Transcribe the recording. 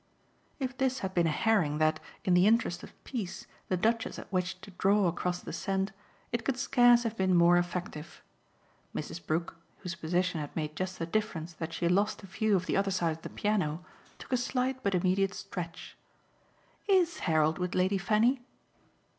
If this had been a herring that, in the interest of peace, the Duchess had wished to draw across the scent, it could scarce have been more effective. Mrs. Brook, whose position had made just the difference that she lost the view of the other side of the piano, took a slight but immediate stretch. "IS Harold with Lady Fanny?"